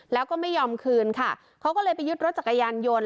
แล้วก็ไม่ยอมคืนค่ะเขาก็เลยไปยึดรถจักรยานยนต์